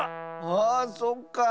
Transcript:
あそっかあ。